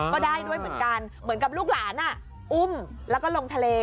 ก็ได้ด้วยเหมือนกันเหมือนกับลูกหลานอุ้มแล้วก็ลงทะเล